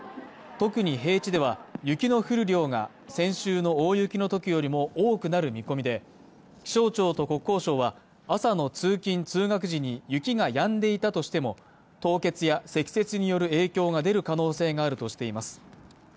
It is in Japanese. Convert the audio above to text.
特に平地では雪の降る量が先週の大雪のときよりも多くなる見込みで気象庁と国交省は、朝の通勤・通学時に、雪がやんでいたとしても、凍結や積雪による影響が出る可能性があるとしています。